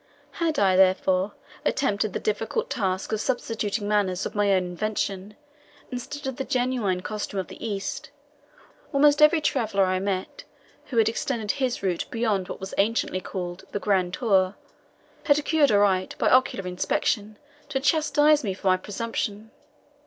Had I, therefore, attempted the difficult task of substituting manners of my own invention, instead of the genuine costume of the East, almost every traveller I met who had extended his route beyond what was anciently called "The Grand Tour," had acquired a right, by ocular inspection, to chastise me for my presumption.